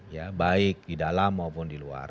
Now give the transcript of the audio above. ya baik di dalam maupun di luar